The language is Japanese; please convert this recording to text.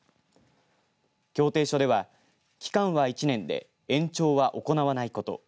協定書では期間は１年で延長は行わないこと。